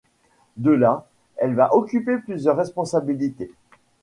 De là, elle va occuper plusieurs responsabilités.